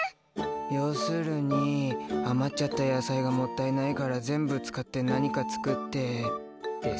ようするにあまっちゃった野菜がもったいないからぜんぶつかってなにかつくってです。